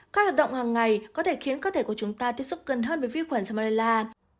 các loại động hằng ngày có thể khiến cơ thể của chúng ta tiếp xúc gần hơn với vi khuẩn salmonella